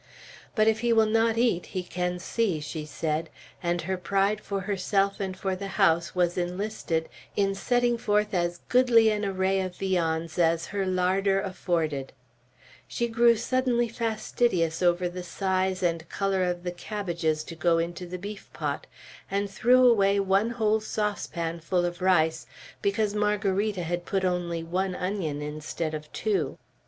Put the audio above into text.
"But if he will not eat, he can see," she said; and her pride for herself and for the house was enlisted in setting forth as goodly an array of viands as her larder afforded, She grew suddenly fastidious over the size and color of the cabbages to go into the beef pot, and threw away one whole saucepan full of rice, because Margarita had put only one onion in instead of two.